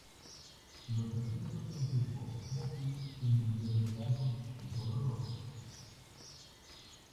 Los asientos son tipo "Motte" individualizados de color rojo.